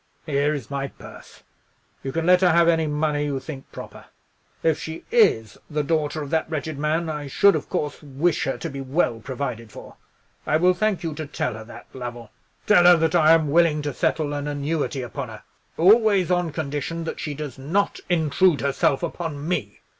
Here is my purse. You can let her have any money you think proper. If she is the daughter of that wretched man, I should, of course, wish her to be well provided for. I will thank you to tell her that, Lovell. Tell her that I am willing to settle an annuity upon her; always on condition that she does not intrude herself upon me.